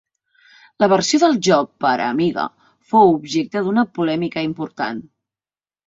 La versió del joc per a Amiga fou objecte d'una polèmica important.